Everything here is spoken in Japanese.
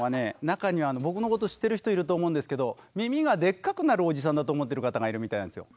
中には僕のこと知ってる人いると思うんですけど耳がでっかくなるおじさんだと思ってる方がいるみたいなんですよ。